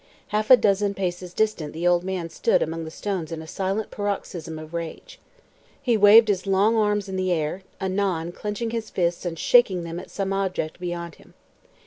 Half a dozen paces distant the old man stood among the stones in a silent paroxysm of rage. He waved his long arms in the air, anon clenching his fists and shaking them at some object beyond him.